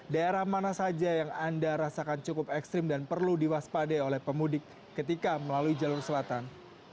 daerah mana saja yang anda rasakan cukup ekstrim dan perlu diwaspadai oleh pemudik ketika melalui jalur selatan